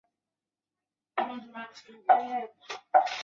指令操作数的存储